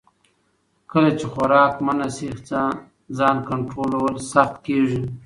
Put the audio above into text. کله چې خوراک منع شي، ځان کنټرول سخت کېږي.